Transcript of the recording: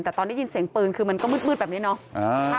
แต่ตอนได้ยินเสียงปืนคือมันก็มืดแบบนี้เนาะ